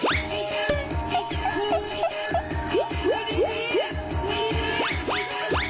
อ้าว